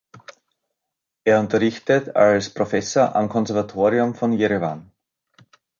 Er unterrichtet als Professor am Konservatorium von Jerewan.